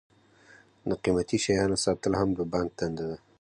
د قیمتي شیانو ساتل هم د بانک دنده ده.